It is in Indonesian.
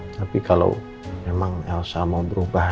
tapi kalau memang elsa mau berubah